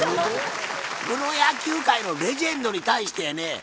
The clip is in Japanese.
プロ野球界のレジェンドに対してやね。